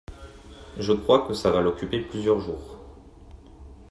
Je crois que ça va l’occuper plusieurs jours.